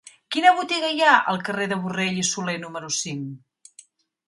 Quina botiga hi ha al carrer de Borrell i Soler número cinc?